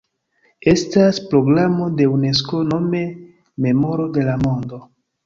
Estas programo de Unesko nome Memoro de la Mondo.